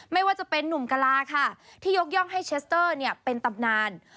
ไม่ว่าจะเป็นนุ่มกลาค่ะที่ยกย่องให้เชสเตอร์เป็นตำนาน